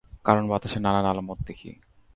কারণ বাতাসের নানান আলামত দেখি।